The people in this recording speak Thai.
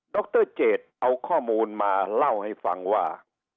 รเจตเอาข้อมูลมาเล่าให้ฟังว่า